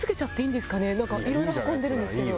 なんかいろいろ運んでるんですけど。